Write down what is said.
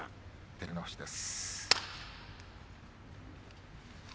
照ノ富士です。